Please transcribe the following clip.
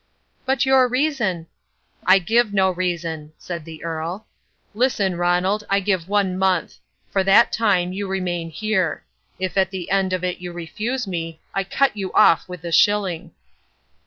"But your reason—" "I give no reason," said the Earl. "Listen, Ronald, I give one month. For that time you remain here. If at the end of it you refuse me, I cut you off with a shilling."